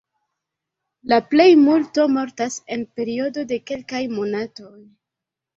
La plejmulto mortas en periodo de kelkaj monatoj.